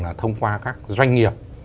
là thông qua các doanh nghiệp